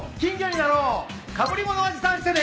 かぶり物は持参してね。